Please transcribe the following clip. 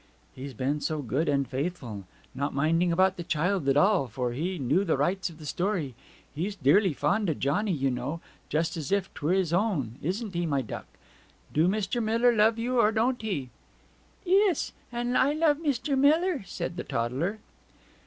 'He's been so good and faithful! Not minding about the child at all; for he knew the rights of the story. He's dearly fond o' Johnny, you know just as if 'twere his own isn't he, my duck? Do Mr. Miller love you or don't he?' 'Iss! An' I love Mr. Miller,' said the toddler.